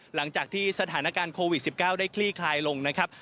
หลังจากที่สถานการณ์โควิด๑๙ได้คลี่คลายลงนะครับ